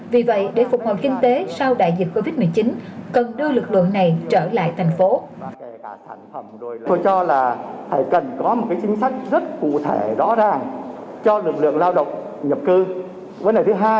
vì vậy để phục hồi kinh tế sau đại dịch covid một mươi chín